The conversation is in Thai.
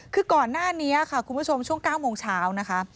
คือก่อนหน้านี้ค่ะคุณผู้ชมช่วง๙โมงเช้านะคะ